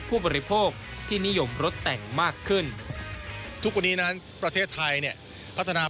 ผู้บริโภคที่นิยมรถแต่งมากขึ้น